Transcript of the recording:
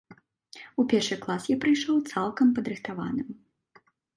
У першы клас я прыйшоў цалкам падрыхтаваным.